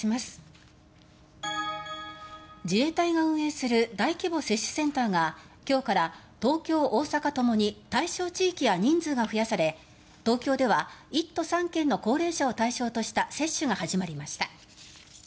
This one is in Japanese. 自衛隊が運営する大規模接種センターが今日から東京、大阪ともに対象地域や人数が増やされ東京では１都３県の高齢者を対象とした接種が始まりました。